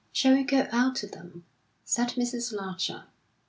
"Shall we go out to them?" said Mrs. Larcher.